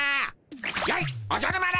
やいっおじゃる丸！